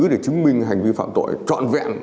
để chứng minh hành vi phạm tội trọn vẹn